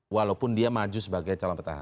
walaupun dia maju sebagai calon petahana